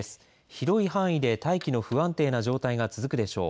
広い範囲で大気の不安定な状態が続くでしょう。